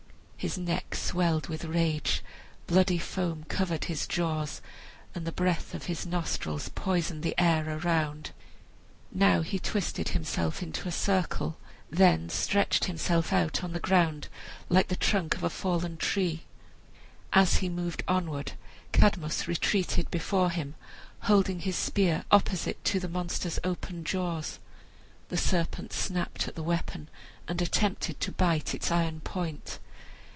His neck swelled with rage, bloody foam covered his jaws, and the breath of his nostrils poisoned the air around. Now he twisted himself into a circle, then stretched himself out on the ground like the trunk of a fallen tree. As he moved onward, Cadmus retreated before him, holding his spear opposite to the monster's opened jaws. The serpent snapped at the weapon and attempted to bite its iron point.